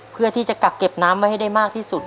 เพื่อที่จะกักเก็บน้ำไว้ให้ได้มากที่สุด